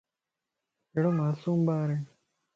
ڪھڙو معصوم ٻارائي